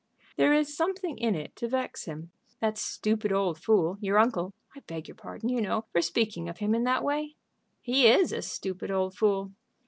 "There is something in it to vex him. That stupid old fool, your uncle I beg your pardon, you know, for speaking of him in that way " "He is a stupid old fool."